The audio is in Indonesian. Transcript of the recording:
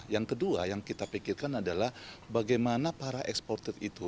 yang kedua yang kita pikirkan adalah bagaimana para eksportir itu